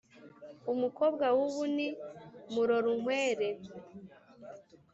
umukobwa w'ubu ni murorunkwere